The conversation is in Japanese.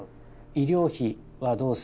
医療費はどうするか。